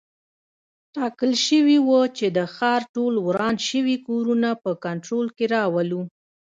ټاکل شوي وه چې د ښار ټول وران شوي کورونه په کنټرول کې راولو.